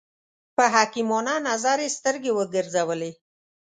په حکیمانه نظر یې سترګې وګرځولې.